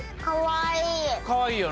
かわいい。